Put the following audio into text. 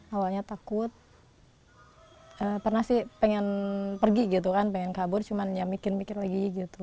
awalnya takut pernah sih pengen pergi gitu kan pengen kabur cuman ya mikir mikir lagi gitu